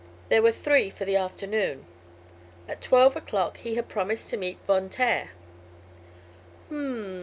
There were three for the afternoon. At twelve o'clock he had promised to meet Von Taer. "H m m.